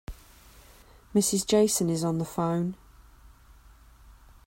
Mrs. Jason is on the phone.